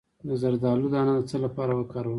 د زردالو دانه د څه لپاره وکاروم؟